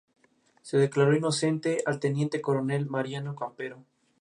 Se declaró inocente al Teniente Coronel Mariano Campero.